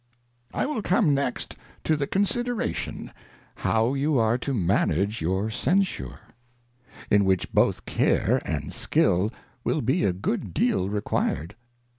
I will come next to the Consideration, how you are to manage your Censure ; in which both Care and skill will be a good deal required.